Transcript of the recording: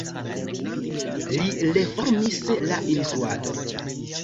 Li reformis la instruadon.